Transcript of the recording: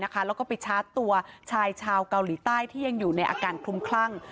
แล้วก็ไปชาร์จตัวชายชาวเกาหลีใต้ที่ยังอยู่ในอาการคลุมคลั่ง